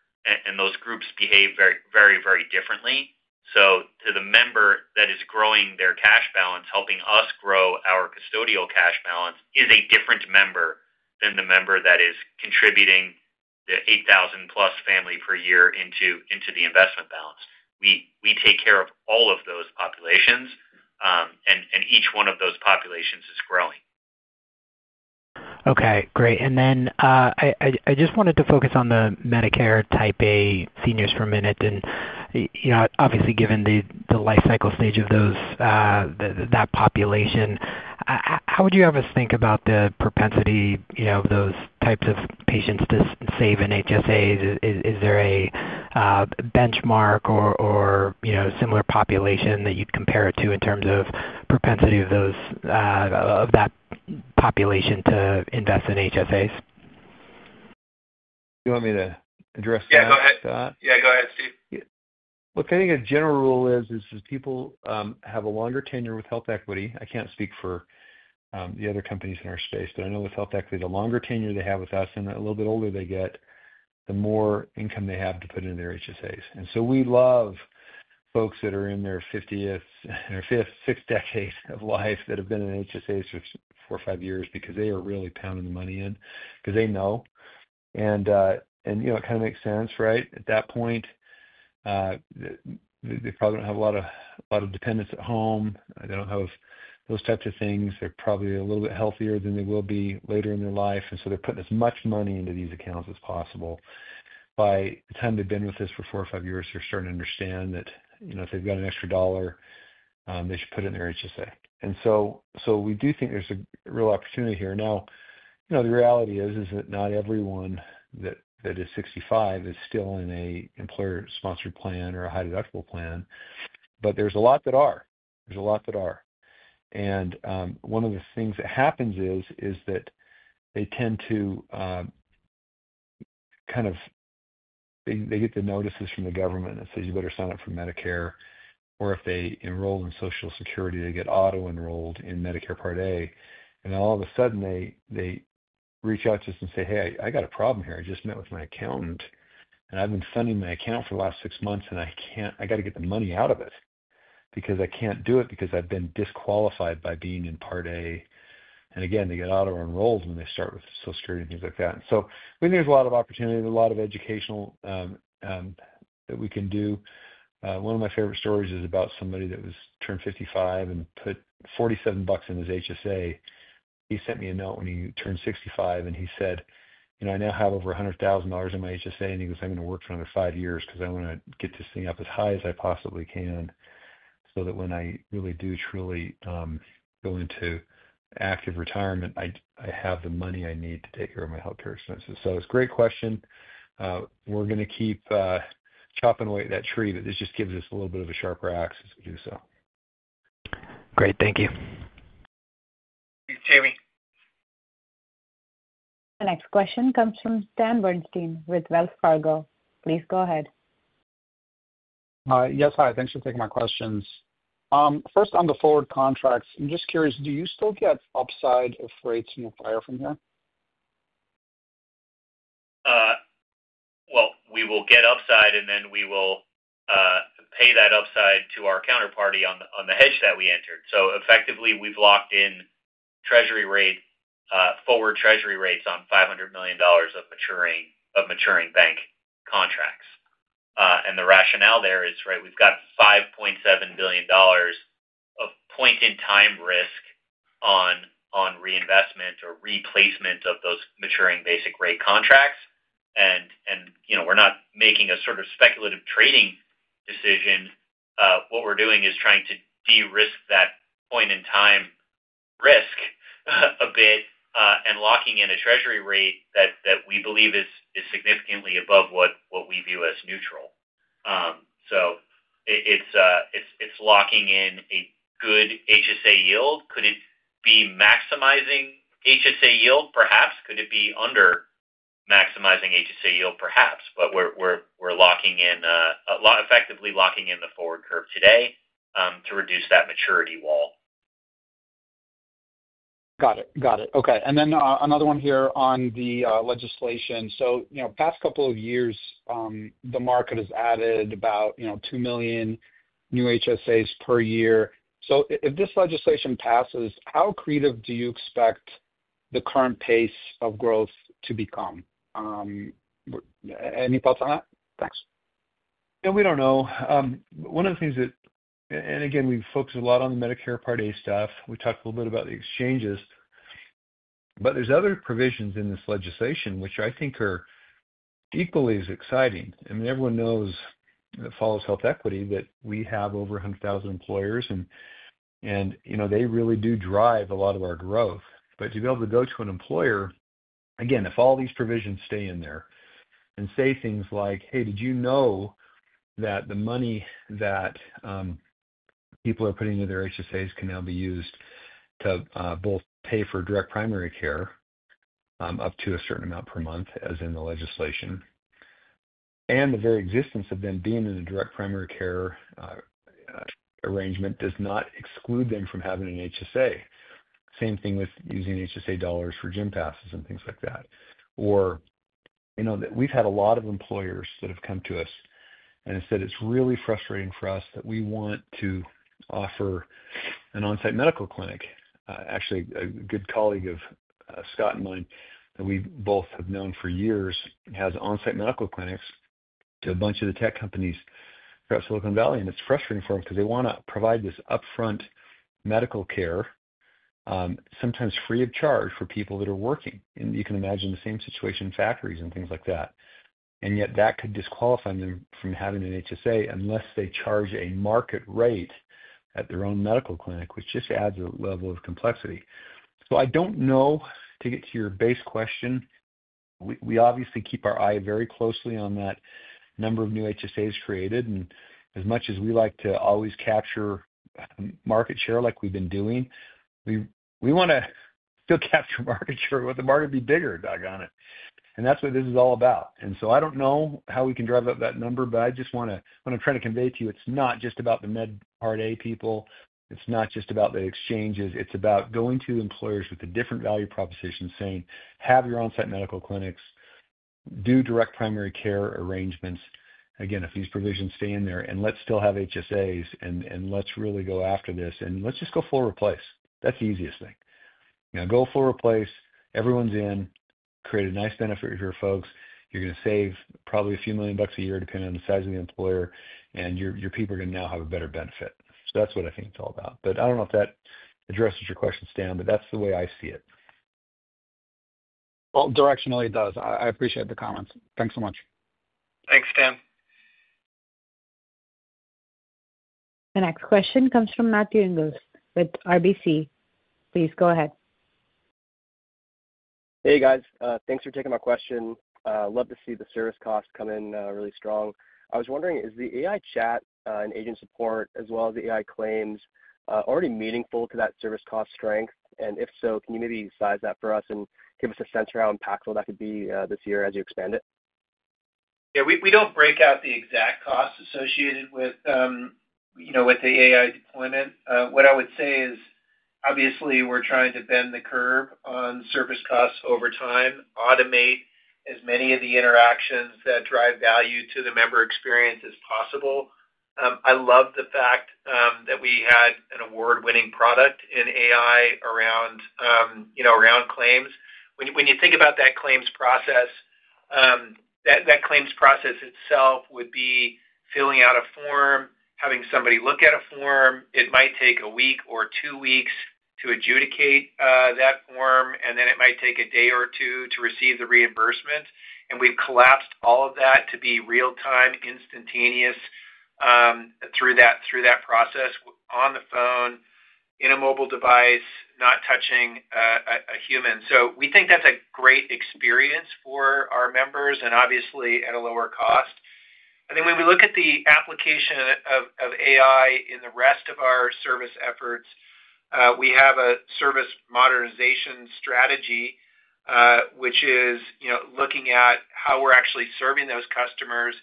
Those groups behave very, very differently. To the member that is growing their cash balance, helping us grow our custodial cash balance is a different member than the member that is contributing the $8,000-plus family per year into the investment balance. We take care of all of those populations, and each one of those populations is growing. Okay. Great. I just wanted to focus on the Medicare Part A seniors for a minute. Obviously, given the life cycle stage of that population, how would you have us think about the propensity of those types of patients to save in HSAs? Is there a benchmark or similar population that you'd compare it to in terms of propensity of that population to invest in HSAs? Do you want me to address that, Scott? Yeah. Go ahead. Yeah. Go ahead, Steve. Look, I think a general rule is, is if people have a longer tenure with HealthEquity—I can't speak for the other companies in our space—but I know with HealthEquity, the longer tenure they have with us and the little bit older they get, the more income they have to put into their HSAs. And so we love folks that are in their 50s, their fifth, sixth decade of life that have been in HSAs for four or five years because they are really pounding the money in because they know. And it kind of makes sense, right? At that point, they probably don't have a lot of dependents at home. They don't have those types of things. They're probably a little bit healthier than they will be later in their life. And so they're putting as much money into these accounts as possible. By the time they've been with us for four or five years, they're starting to understand that if they've got an extra dollar, they should put it in their HSA. We do think there's a real opportunity here. The reality is that not everyone that is 65 is still in an employer-sponsored plan or a high-deductible plan. There are a lot that are. There are a lot that are. One of the things that happens is that they tend to kind of—they get the notices from the government that say, "You better sign up for Medicare." If they enroll in Social Security, they get auto-enrolled in Medicare Part A. All of a sudden, they reach out to us and say, "Hey, I got a problem here. I just met with my accountant, and I've been funding my account for the last six months, and I got to get the money out of it because I can't do it because I've been disqualified by being in Part A. Again, they get auto-enrolled when they start with Social Security and things like that. I think there's a lot of opportunity, a lot of educational that we can do. One of my favorite stories is about somebody that turned 55 and put $47 in his HSA. He sent me a note when he turned 65, and he said, "I now have over $100,000 in my HSA." He goes, "I'm going to work for another five years because I want to get this thing up as high as I possibly can so that when I really do truly go into active retirement, I have the money I need to take care of my healthcare expenses." It is a great question. We are going to keep chopping away at that tree, but this just gives us a little bit of a sharper axis to do so. Great. Thank you. Thank you, Jamie. The next question comes from Stan Berenshteyn with Wells Fargo. Please go ahead. Hi. Yes. Hi. Thanks for taking my questions. First, on the forward contracts, I'm just curious, do you still get upside of rates in your fire from here? We will get upside, and then we will pay that upside to our counterparty on the hedge that we entered. Effectively, we have locked in forward treasury rates on $500 million of maturing bank contracts. The rationale there is, right, we have $5.7 billion of point-in-time risk on reinvestment or replacement of those maturing basic rate contracts. We are not making a sort of speculative trading decision. What we are doing is trying to de-risk that point-in-time risk a bit and locking in a treasury rate that we believe is significantly above what we view as neutral. It is locking in a good HSA yield. Could it be maximizing HSA yield? Perhaps. Could it be under-maximizing HSA yield? Perhaps. We are effectively locking in the forward curve today to reduce that maturity wall. Got it. Got it. Okay. Another one here on the legislation. Past couple of years, the market has added about 2 million new HSAs per year. If this legislation passes, how creative do you expect the current pace of growth to become? Any thoughts on that? Thanks. Yeah. We do not know. One of the things that—and again, we have focused a lot on the Medicare Part A stuff. We talked a little bit about the exchanges. There are other provisions in this legislation, which I think are equally as exciting. I mean, everyone who follows HealthEquity knows that we have over 100,000 employers, and they really do drive a lot of our growth. To be able to go to an employer—again, if all these provisions stay in there—and say things like, "Hey, did you know that the money that people are putting into their HSAs can now be used to both pay for direct primary care up to a certain amount per month as in the legislation?" The very existence of them being in a direct primary care arrangement does not exclude them from having an HSA. Same thing with using HSA dollars for gym passes and things like that. Or we've had a lot of employers that have come to us and said, "It's really frustrating for us that we want to offer an on-site medical clinic." Actually, a good colleague of Scott and mine that we both have known for years has on-site medical clinics to a bunch of the tech companies throughout Silicon Valley. It's frustrating for them because they want to provide this upfront medical care, sometimes free of charge, for people that are working. You can imagine the same situation in factories and things like that. Yet, that could disqualify them from having an HSA unless they charge a market rate at their own medical clinic, which just adds a level of complexity. I don't know, to get to your base question, we obviously keep our eye very closely on that number of new HSAs created. As much as we like to always capture market share like we've been doing, we want to still capture market share with the market being bigger, doggone it. That's what this is all about. I don't know how we can drive up that number, but I just want to—what I'm trying to convey to you, it's not just about the Med Part A people. It's not just about the exchanges. It's about going to employers with a different value proposition saying, "Have your on-site medical clinics, do direct primary care arrangements." Again, if these provisions stay in there, and let's still have HSAs, and let's really go after this, and let's just go full replace. That's the easiest thing. Go full replace. Everyone's in. Create a nice benefit for your folks. You're going to save probably a few million bucks a year depending on the size of the employer, and your people are going to now have a better benefit. That is what I think it's all about. I do not know if that addresses your question, Stan, but that is the way I see it. Directionally, it does. I appreciate the comments. Thanks so much. Thanks, Stan. The next question comes from Matthew Inglis with RBC. Please go ahead. Hey, guys. Thanks for taking my question. Love to see the service cost come in really strong. I was wondering, is the AI chat and agent support as well as the AI claims already meaningful to that service cost strength? If so, can you maybe size that for us and give us a sense for how impactful that could be this year as you expand it? Yeah. We don't break out the exact costs associated with the AI deployment. What I would say is, obviously, we're trying to bend the curve on service costs over time, automate as many of the interactions that drive value to the member experience as possible. I love the fact that we had an award-winning product in AI around claims. When you think about that claims process, that claims process itself would be filling out a form, having somebody look at a form. It might take a week or two weeks to adjudicate that form, and then it might take a day or two to receive the reimbursement. We've collapsed all of that to be real-time, instantaneous through that process on the phone, in a mobile device, not touching a human. We think that's a great experience for our members and obviously at a lower cost. I think when we look at the application of AI in the rest of our service efforts, we have a service modernization strategy, which is looking at how we're actually serving those customers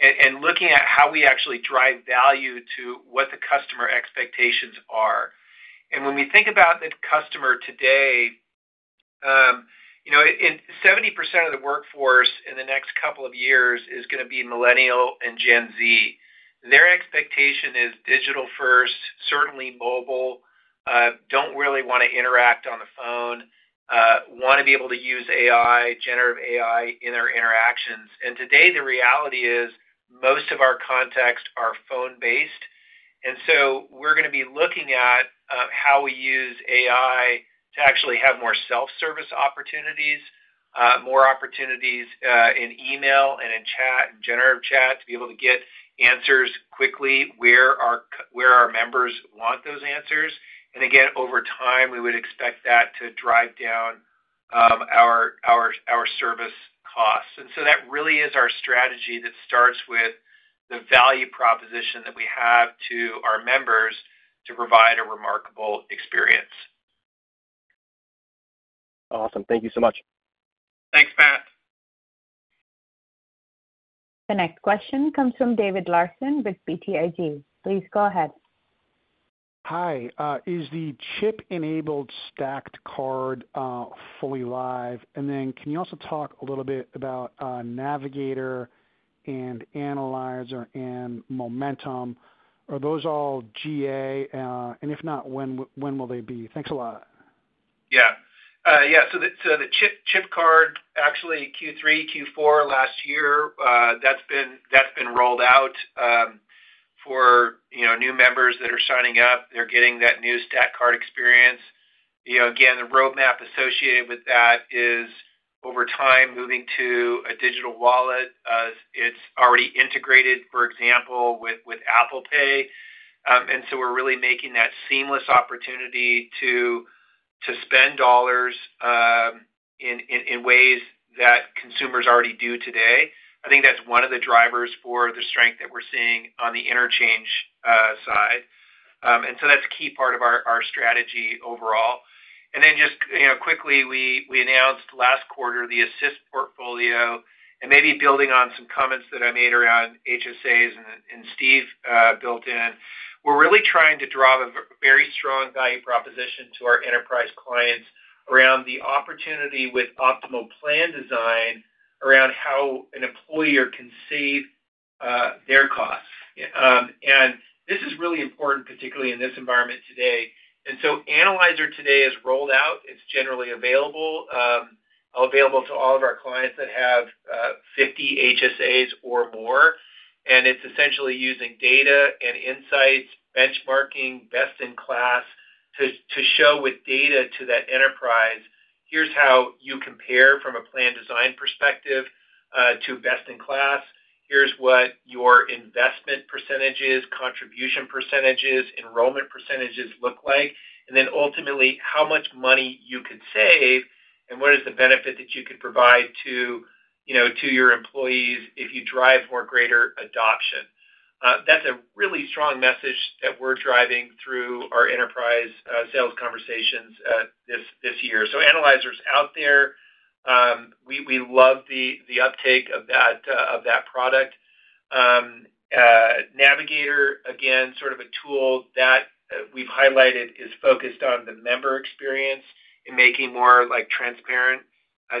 and looking at how we actually drive value to what the customer expectations are. When we think about the customer today, 70% of the workforce in the next couple of years is going to be millennial and Gen Z. Their expectation is digital-first, certainly mobile, do not really want to interact on the phone, want to be able to use AI, generative AI in their interactions. Today, the reality is most of our context are phone-based. We are going to be looking at how we use AI to actually have more self-service opportunities, more opportunities in email and in chat and generative chat to be able to get answers quickly where our members want those answers. Again, over time, we would expect that to drive down our service costs. That really is our strategy that starts with the value proposition that we have to our members to provide a remarkable experience. Awesome. Thank you so much. Thanks, Matt. The next question comes from David Larsen with PTIG. Please go ahead. Hi. Is the chip-enabled stacked card fully live? Can you also talk a little bit about Navigator and Analyzer and Momentum? Are those all GA? If not, when will they be? Thanks a lot. Yeah. Yeah. So the chip card, actually Q3, Q4 last year, that's been rolled out for new members that are signing up. They're getting that new stacked chip card experience. Again, the roadmap associated with that is over time moving to a digital wallet. It's already integrated, for example, with Apple Pay. We're really making that seamless opportunity to spend dollars in ways that consumers already do today. I think that's one of the drivers for the strength that we're seeing on the interchange side. That's a key part of our strategy overall. Then just quickly, we announced last quarter the Assist portfolio and maybe building on some comments that I made around HSAs and Steve built in. We're really trying to drive a very strong value proposition to our enterprise clients around the opportunity with optimal plan design around how an employer can save their costs. This is really important, particularly in this environment today. Analyzer today is rolled out. It's generally available to all of our clients that have 50 HSAs or more. It's essentially using data and insights, benchmarking, best-in-class to show with data to that enterprise, "Here's how you compare from a plan design perspective to best-in-class. Here's what your investment %, contribution %, enrollment % look like." Ultimately, how much money you could save and what is the benefit that you could provide to your employees if you drive more greater adoption. That's a really strong message that we're driving through our enterprise sales conversations this year. Analyzer's out there. We love the uptake of that product. Navigator, again, sort of a tool that we have highlighted, is focused on the member experience and making more transparent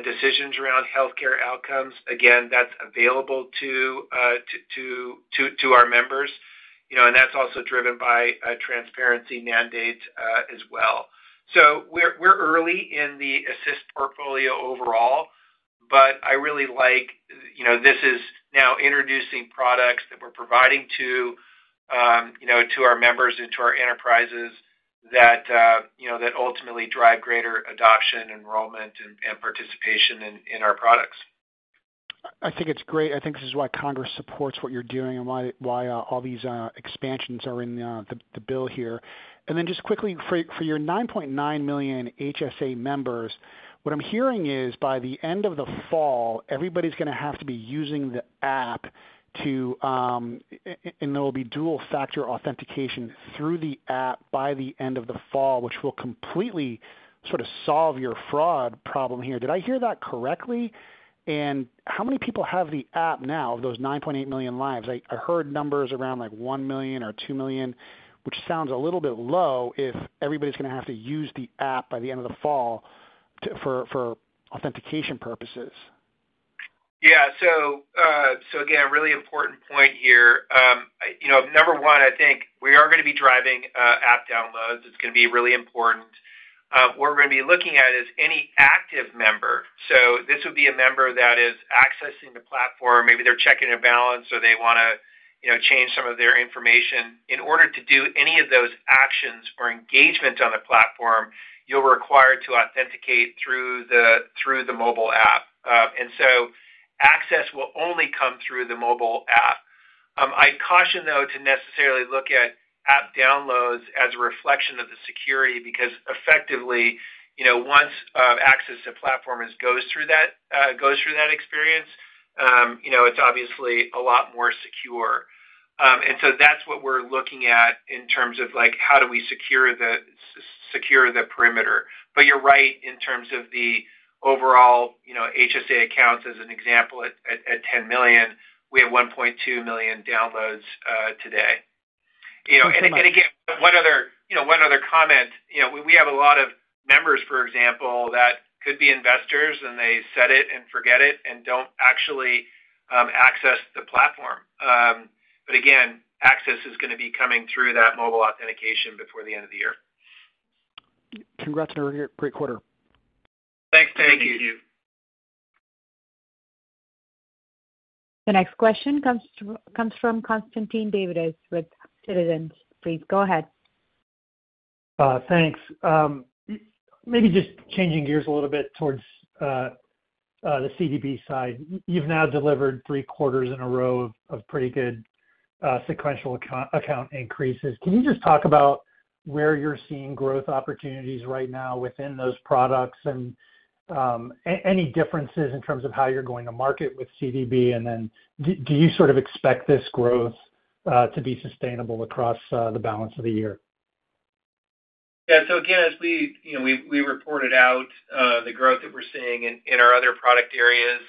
decisions around healthcare outcomes. That is available to our members. That is also driven by transparency mandates as well. We are early in the assist portfolio overall, but I really like this is now introducing products that we are providing to our members and to our enterprises that ultimately drive greater adoption, enrollment, and participation in our products. I think it's great. I think this is why Congress supports what you're doing and why all these expansions are in the bill here. And then just quickly, for your 9.9 million HSA members, what I'm hearing is by the end of the fall, everybody's going to have to be using the app, and there will be dual-factor authentication through the app by the end of the fall, which will completely sort of solve your fraud problem here. Did I hear that correctly? And how many people have the app now of those 9.8 million lives? I heard numbers around like 1 million or 2 million, which sounds a little bit low if everybody's going to have to use the app by the end of the fall for authentication purposes. Yeah. So again, a really important point here. Number one, I think we are going to be driving app downloads. It's going to be really important. What we're going to be looking at is any active member. So this would be a member that is accessing the platform. Maybe they're checking a balance or they want to change some of their information. In order to do any of those actions or engagements on the platform, you're required to authenticate through the mobile app. Access will only come through the mobile app. I'd caution, though, to necessarily look at app downloads as a reflection of the security because effectively, once access to the platform goes through that experience, it's obviously a lot more secure. That's what we're looking at in terms of how do we secure the perimeter. You're right in terms of the overall HSA accounts. As an example, at 10 million, we have 1.2 million downloads today. Again, one other comment. We have a lot of members, for example, that could be investors, and they set it and forget it and do not actually access the platform. Again, access is going to be coming through that mobile authentication before the end of the year. Congrats on a great quarter. Thank you. The next question comes from Constantine Davides with Citizens. Please go ahead. Thanks. Maybe just changing gears a little bit towards the CDB side. You've now delivered three quarters in a row of pretty good sequential account increases. Can you just talk about where you're seeing growth opportunities right now within those products and any differences in terms of how you're going to market with CDB? Do you sort of expect this growth to be sustainable across the balance of the year? Yeah. So again, as we reported out the growth that we're seeing in our other product areas,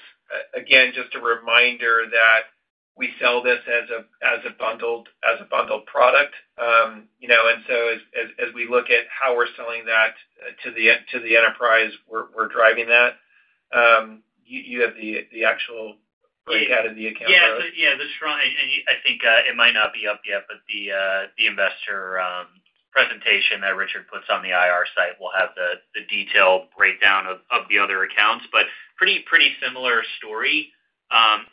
again, just a reminder that we sell this as a bundled product. As we look at how we're selling that to the enterprise, we're driving that. You have the actual breakout of the account? Yeah. I think it might not be up yet, but the investor presentation that Richard puts on the IR site will have the detailed breakdown of the other accounts. Pretty similar story.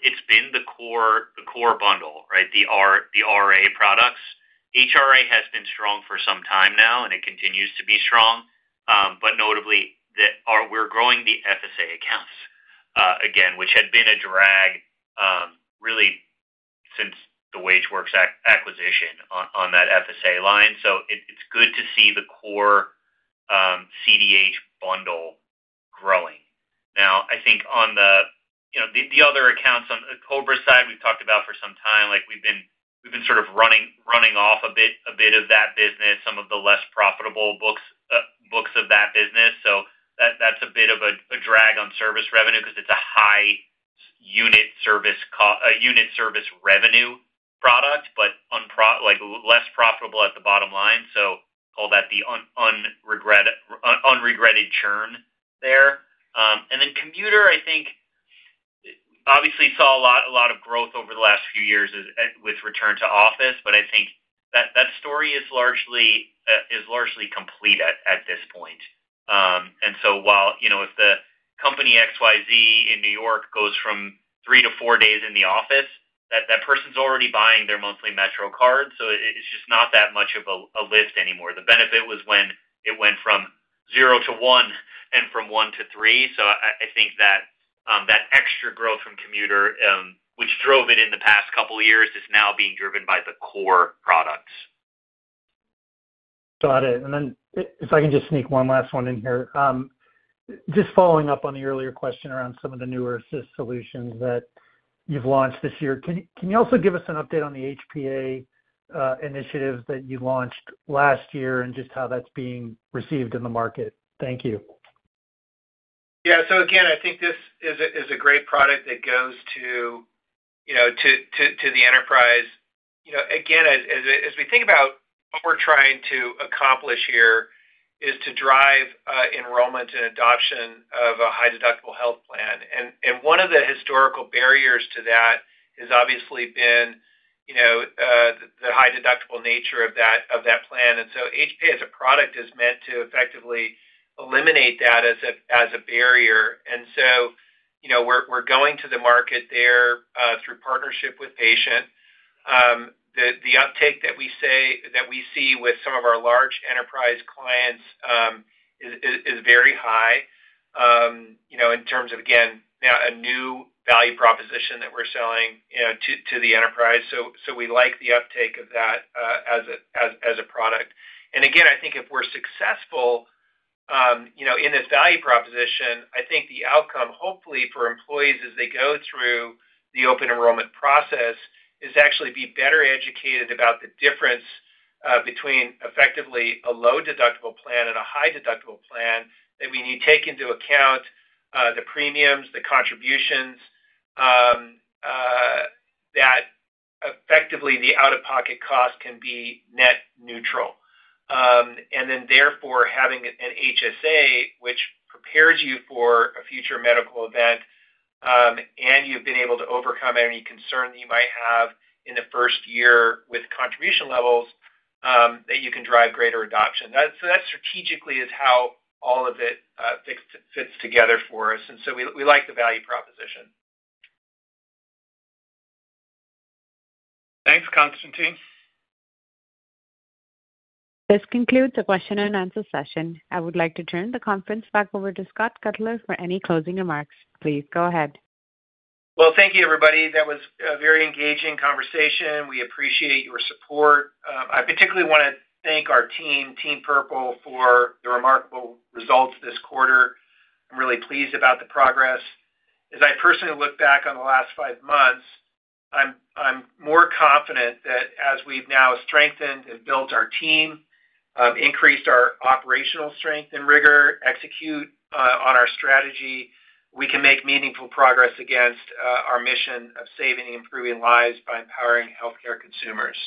It's been the core bundle, right? The HRA products. HRA has been strong for some time now, and it continues to be strong. Notably, we're growing the FSA accounts again, which had been a drag really since the WageWorks acquisition on that FSA line. It's good to see the core CDH bundle growing. Now, I think on the other accounts on the COBRA side, we've talked about for some time. We've been sort of running off a bit of that business, some of the less profitable books of that business. That is a bit of a drag on service revenue because it's a high unit service revenue product, but less profitable at the bottom line. Call that the unregretted churn there. Then commuter, I think, obviously saw a lot of growth over the last few years with return to office. I think that story is largely complete at this point. While if the company XYZ in New York goes from three to four days in the office, that person's already buying their monthly Metro card. It is just not that much of a lift anymore. The benefit was when it went from zero to one and from one to three. I think that extra growth from commuter, which drove it in the past couple of years, is now being driven by the core products. Got it. If I can just sneak one last one in here. Just following up on the earlier question around some of the newer assist solutions that you've launched this year, can you also give us an update on the HPA initiatives that you launched last year and just how that's being received in the market? Thank you. Yeah. So again, I think this is a great product that goes to the enterprise. Again, as we think about what we're trying to accomplish here is to drive enrollment and adoption of a high-deductible health plan. One of the historical barriers to that has obviously been the high-deductible nature of that plan. HPA as a product is meant to effectively eliminate that as a barrier. We are going to the market there through partnership with Patient. The uptake that we see with some of our large enterprise clients is very high in terms of, again, now a new value proposition that we're selling to the enterprise. We like the uptake of that as a product. I think if we're successful in this value proposition, I think the outcome, hopefully, for employees as they go through the open enrollment process is actually be better educated about the difference between effectively a low-deductible plan and a high-deductible plan that we need to take into account the premiums, the contributions, that effectively the out-of-pocket cost can be net neutral. Therefore, having an HSA, which prepares you for a future medical event, and you've been able to overcome any concern that you might have in the first year with contribution levels that you can drive greater adoption. That strategically is how all of it fits together for us. We like the value proposition. Thanks, Constantine. This concludes the question and answer session. I would like to turn the conference back over to Scott Cutler for any closing remarks. Please go ahead. Thank you, everybody. That was a very engaging conversation. We appreciate your support. I particularly want to thank our team, Team Purple, for the remarkable results this quarter. I'm really pleased about the progress. As I personally look back on the last five months, I'm more confident that as we've now strengthened and built our team, increased our operational strength and rigor, execute on our strategy, we can make meaningful progress against our mission of saving and improving lives by empowering healthcare consumers.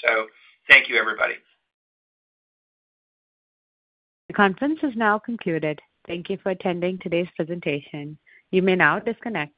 Thank you, everybody. The conference is now concluded. Thank you for attending today's presentation. You may now disconnect.